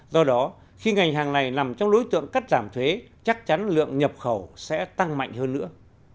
do đó khi ngành hàng này nằm trong đối tượng cắt giảm thuế chắc chắn lượng nhập khẩu sẽ tăng mạnh hơn nữa